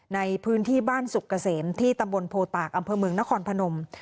ในพื้นที่บ้านสุกเกษมที่ตำบลโพตากอำเภอเมืองนครพนม